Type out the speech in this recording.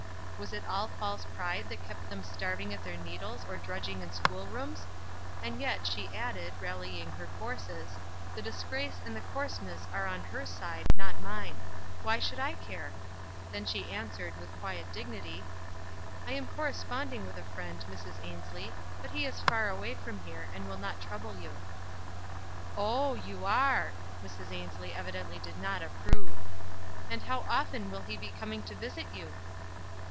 Was it all false pride that kept them starving at their needles, or drudging in school rooms? And yet, she added, rallying her forces, the disgrace and the coarseness are on her side, not mine. Why WISE AND OTHERWISE. 303 should I care ? Then she answered, with a quiet dignity,— " I am corresponding with a friend, Mrs. Ains lie ; but he is far away from here, and will not trouble you." "Oh, you are." Mrs. Ainslic evidently did not approve. "And how often will he be coming to visit you?